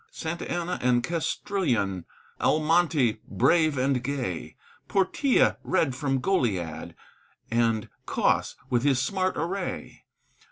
Santa Anna and Castrillon, Almonte brave and gay, Portilla red from Goliad, And Cos with his smart array.